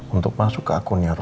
untuk masuk ke akunnya